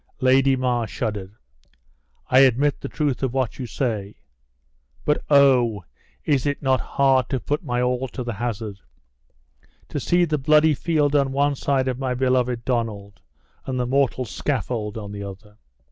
Lady Mar shuddered. "I admit the truth of what you say. But oh! is it not hard to put my all to the hazard; to see the bloody field on one side of my beloved Donald, and the mortal scaffold on the other?"